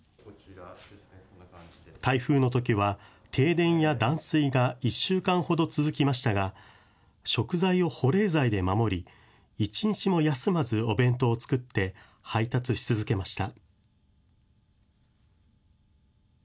台風のときは停電や断水が１週間ほど続きましたが、食材を保冷材で守り、１日も休まずお弁当を作って配達し続けました。